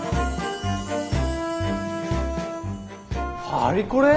パリコレ？